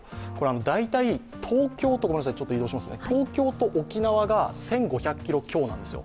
大体、東京と沖縄が１５００ｋｍ強なんですよ。